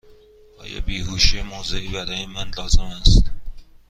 آیا بیهوشی موضعی برای من لازم است؟